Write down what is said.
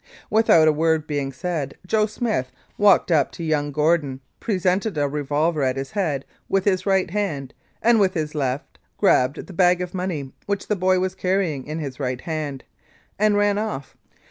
Without a word being said, "Joe Smith " walked up to young Gordon, presented a revolver at his head with his right hand, and with his left grabbed the bag of money which the boy was carrying in his right hand, and ran off.